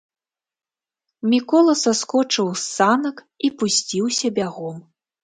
Мікола саскочыў з санак і пусціўся бягом.